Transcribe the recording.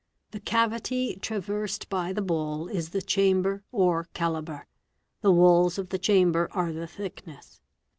The cavity traversed by the ball is the chamber or calibre ; the walls of the chamber are the thickness.